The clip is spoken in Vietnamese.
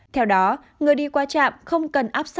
theo đó người đi qua trạm không cần áp sát